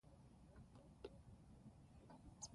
د نرمې ږمنځې کارول وېښتان خراب نه کوي.